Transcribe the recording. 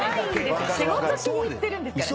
仕事しにいってるんですからね。